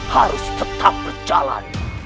harus tetap berjalan